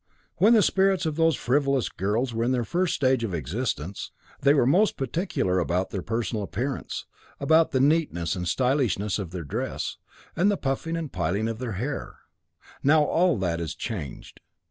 'When the spirits of those frivolous girls were in their first stage of existence, they were most particular about their personal appearance, about the neatness and stylishness of their dress, and the puffing and piling up of their hair. Now all that is changed.